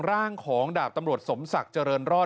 ร่างของดาบตำรวจสมศักดิ์เจริญรอด